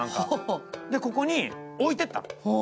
ここに置いてったの。